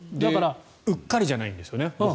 うっかりじゃないんですよね。